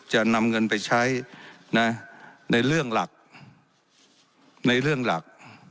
จะนำเงินไปใช้ในเรื่องหลักในเรื่องหลัก